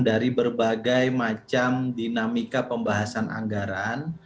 dari berbagai macam dinamika pembahasan anggaran